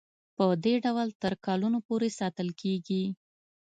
پدې ډول تر کلونو پورې ساتل کیږي.